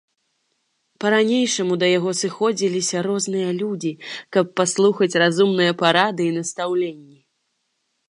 Па-ранейшаму да яго сыходзіліся розныя людзі, каб паслухаць разумныя парады і настаўленні.